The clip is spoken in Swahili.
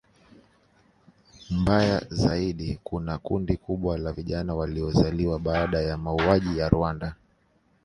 Mbaya zaidi kuna kundi kubwa la vijana waliozaliwa baada ya mauaji ya Rwanda